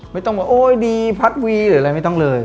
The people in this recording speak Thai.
ไม่ต้องว่าโอ้ยดีพัดวีหรืออะไรไม่ต้องเลย